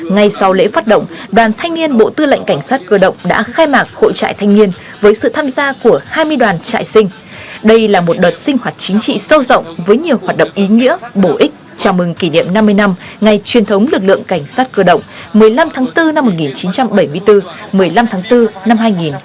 ngay sau lễ phát động đoàn thanh niên bộ tư lệnh cảnh sát cơ động đã khai mạc hội trại thanh niên với sự tham gia của hai mươi đoàn trại sinh đây là một đợt sinh hoạt chính trị sâu rộng với nhiều hoạt động ý nghĩa bổ ích chào mừng kỷ niệm năm mươi năm ngày truyền thống lực lượng cảnh sát cơ động một mươi năm tháng bốn năm một nghìn chín trăm bảy mươi bốn một mươi năm tháng bốn năm hai nghìn hai mươi bốn